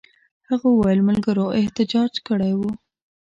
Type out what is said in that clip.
هغه وویل ملګرو احتجاج کړی وو.